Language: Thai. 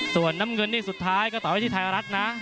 ส่วนน้ำเงินนี่สุดท้ายก็ต่อไว้ที่ไทยรัฐนะ